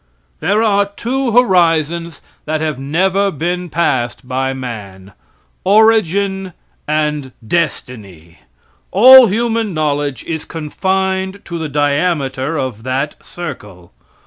There are two horizons that have never been passed by man origin and destiny. All human knowledge is confined to the diameter of that circle.